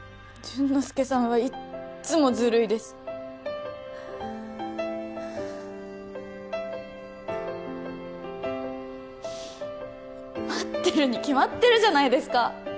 潤之介さんはいっつもずるいです待ってるに決まってるじゃないですか